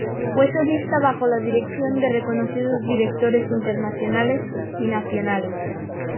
Fue solista bajo la dirección de reconocidos directores internacionales y nacionales.